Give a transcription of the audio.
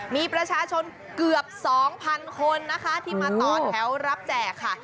มีประชาชนเกือบ๒๐๐คนนะคะที่มาต่อแถวรับแจกค่ะ